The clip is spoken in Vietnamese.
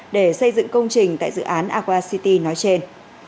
để xây dựng công trình tại dự án aqua city nói trên